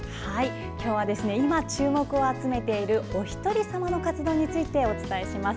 今日は今注目を集めているおひとりさまの活動についてお伝えします。